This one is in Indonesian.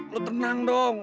lu tenang dong